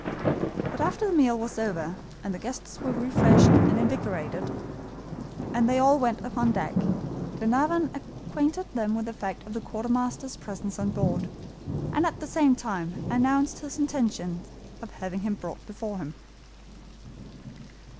But after the meal was over, and the guests were refreshed and invigorated, and they all went upon deck, Glenarvan acquainted them with the fact of the quartermaster's presence on board, and at the same time announced his intention of having him brought before them.